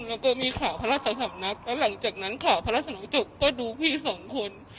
แล้วก็มีข่าวพระราชสำนักแล้วหลังจากนั้นข่าวพระราชนุจักรก็ดูพี่สองคน